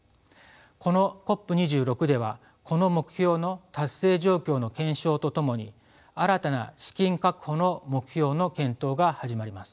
このＣＯＰ２６ではこの目標の達成状況の検証とともに新たな資金確保の目標の検討が始まります。